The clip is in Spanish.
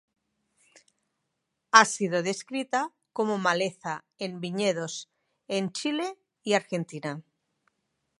Ha sido descrita como maleza en viñedos en Chile y Argentina.